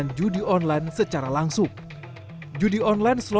rule a yang buruk